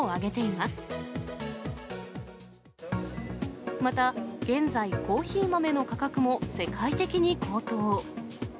また現在、コーヒー豆の価格も世界的に高騰。